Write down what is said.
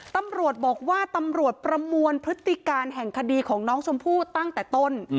ตำรวจบอกว่าตำรวจประมวลพฤติการแห่งคดีของน้องชมพู่ตั้งแต่ต้น